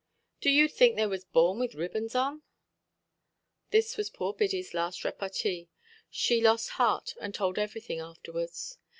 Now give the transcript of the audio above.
"Do you think they was born with ribbons on"? This was poor Biddyʼs last repartee. She lost heart and told everything afterwards.